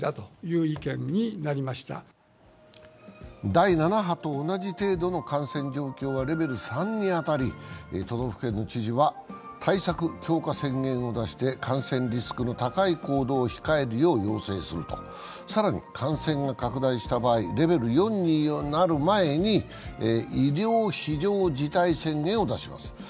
第７波と同じ程度の感染状況はレベル３に当たり都道府県の知事は対策強化宣言を出して感染リスクの高い行動を控えるよう要請すると更に感染が拡大した場合、レベル４になる前に医療非常事態宣言を出します。